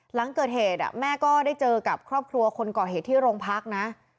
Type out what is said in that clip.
หลังเกิดเหตุแม่ก็ได้เจอกับครอบครัวคนก่อเหตุที่โรงพักนะ